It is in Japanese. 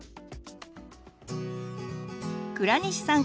倉西さん